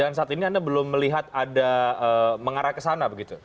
dan saat ini anda belum melihat ada mengarah ke sana begitu